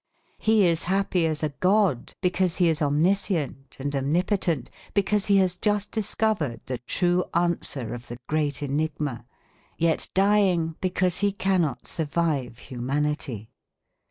He is happy as a god because he is omniscient and omnipotent, because he has just discovered the true answer of the Great Enigma, yet dying because he cannot survive humanity.